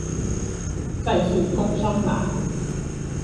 再次工商啦